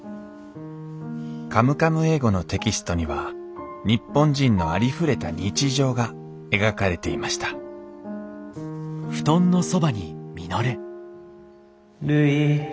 『カムカム英語』のテキストには日本人のありふれた日常が描かれていましたるい。